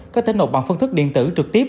có thể nộp bằng phương thức điện tử trực tiếp